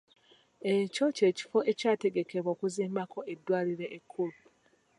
Ekyo ky'ekifo ekyategekebwa okuzimbako eddwaliro ekkulu.